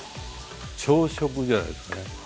朝食じゃないですかね。